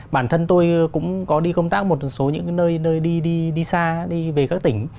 bản thân tôi cũng có đi công tác một số những nơi nơi đi xa đi về các tỉnh